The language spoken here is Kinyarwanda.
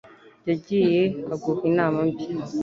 yagiye aguha inama mbi.